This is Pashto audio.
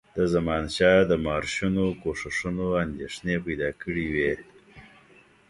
د زمانشاه د مارشونو کوښښونو اندېښنې پیدا کړي وې.